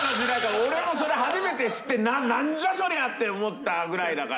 俺それ初めて知ってなんじゃそりゃ！って思ったぐらいだから。